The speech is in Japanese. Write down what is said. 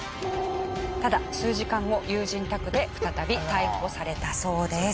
ただ数時間後友人宅で再び逮捕されたそうです。